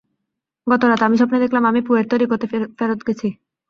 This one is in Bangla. গতরাতে আমি স্বপ্নে দেখলাম, আমি পুয়ের্তো রিকোতে ফেরত গেছি।